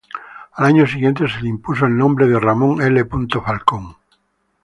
Al año siguiente se le impuso el nombre de Ramón L. Falcón.